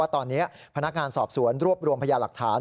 ตอนนี้พนักงานสอบสวนรวบรวมพยาหลักฐาน